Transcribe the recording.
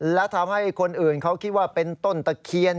และทำให้คนอื่นเขาคิดว่าเป็นต้นตะเคียน